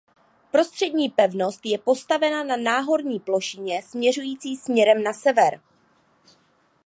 Prostřední pevnost je postavena na náhorní plošině směřující směrem na sever.